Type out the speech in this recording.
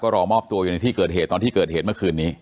รอมอบตัวอยู่ในที่เกิดเหตุตอนที่เกิดเหตุเมื่อคืนนี้